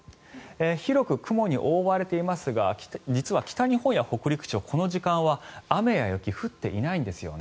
広く雲に覆われていますが北日本や北陸地方、この時間は雨や雪は降っていないんですよね。